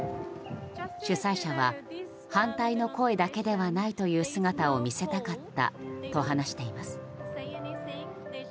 主催者は、反対の声だけではないという姿を見せたかったと話しています。